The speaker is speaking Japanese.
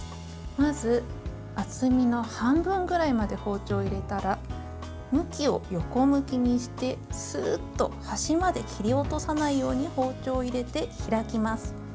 まず、厚みの半分ぐらいまで包丁を入れたら向きを横向きにして、スーッと端まで切り落とさないように包丁を入れて、開きます。